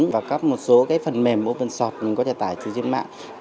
và các một số phần mềm open source mình có thể tải từ trên mạng